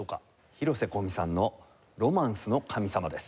広瀬香美さんの『ロマンスの神様』です。